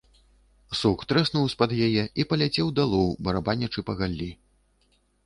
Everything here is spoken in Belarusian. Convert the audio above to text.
Сук трэснуў з-пад яе і паляцеў далоў, барабанячы па галлі.